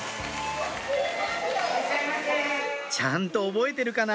ちゃんと覚えてるかな？